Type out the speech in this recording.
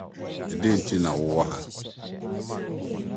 Deɛn nti na wowɔ ha?